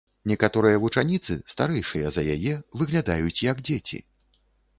Некаторыя вучаніцы, старэйшыя за яе, выглядаюць, як дзеці.